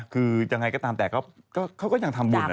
คือยังไงก็ตามแต่เขาก็ยังทำบุญ